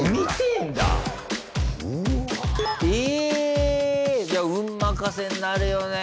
ええ！じゃあ運任せになるよね